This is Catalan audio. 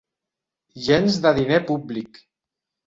Gens de diner públic!